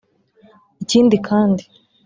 Ikindi kandi